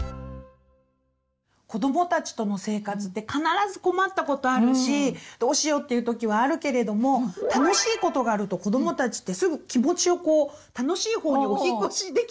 子どもたちとの生活って必ず困ったことあるし「どうしよう」っていう時はあるけれども楽しいことがあると子どもたちってすぐ気持ちをこう楽しいほうに「お引っ越し」できるんだよね。